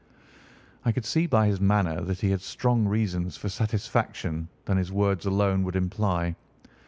I could see by his manner that he had stronger reasons for satisfaction than his words alone would imply.